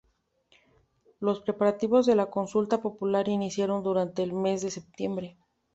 Los preparativos de la consulta popular iniciaron durante el mes de septiembre.